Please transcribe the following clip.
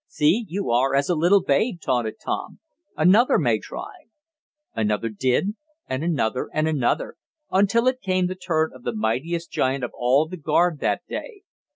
"See, you are as a little babe!" taunted Tom. "Another may try!" Another did, and another and another, until it came the turn of the mightiest giant of all the guard that day.